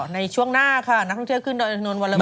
อ๋อในช่วงหน้าค่ะนักท่องเที่ยวขึ้นโดยอักษณนต์วันละมือ